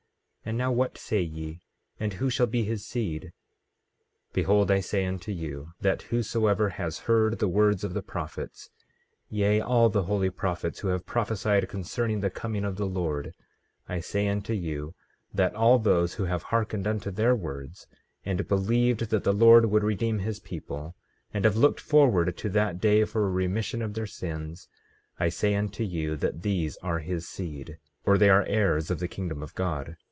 And now what say ye? And who shall be his seed? 15:11 Behold I say unto you, that whosoever has heard the words of the prophets, yea, all the holy prophets who have prophesied concerning the coming of the Lord—I say unto you, that all those who have hearkened unto their words, and believed that the Lord would redeem his people, and have looked forward to that day for a remission of their sins, I say unto you, that these are his seed, or they are heirs of the kingdom of God.